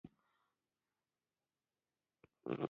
روغتیا یو نعمت ده باید شکر یې ادا کړو.